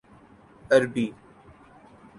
عربی